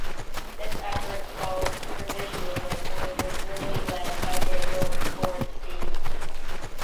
This effort, called "revisionism", was originally led by Daniel Gorenstein.